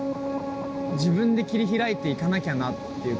自分で切り開いていかなきゃなっていうか。